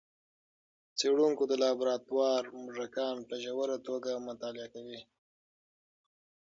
څېړونکي د لابراتوار موږکان په ژوره توګه مطالعه کوي.